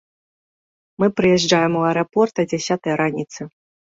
Мы прыязджаем у аэрапорт а дзясятай раніцы.